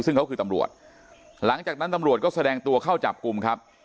ซึ่งเขาคือตำรวจหลังจากนั้นตำรวจก็แสดงตัวเข้าจับกลุ่มครับ